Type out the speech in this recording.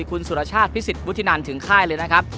คุณสุรชาติพิสิทธิวุฒินันถึงค่ายเลยนะครับ